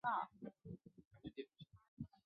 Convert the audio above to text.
故事就发生在录音开始的前一年。